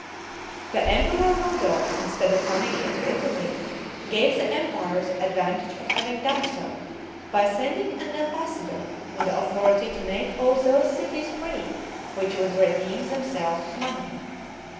The Emperor Rodolph, instead of coming into Italy, gave the empire the advantage of having done so, by sending an ambassador, with authority to make all those cities free which would redeem themselves with money.